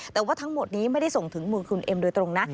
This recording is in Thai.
แต่ว่าทั้งหมดนี้ไม่ได้ส่งถึงมือคุณเอ็มโดยตรงนะ